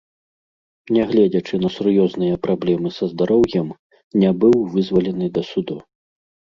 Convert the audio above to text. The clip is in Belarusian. Нягледзячы на сур'ёзныя праблемы са здароўем, не быў вызвалены да суду.